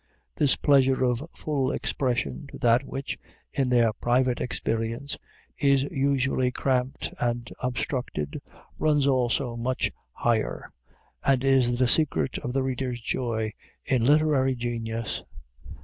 This pleasure of full expression to that which, in their private experience, is usually cramped and obstructed, runs, also, much higher, and is the secret of the reader's joy in literary genius.